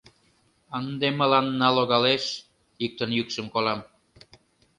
— Ынде мыланна логалеш», — иктын йӱкшым колам.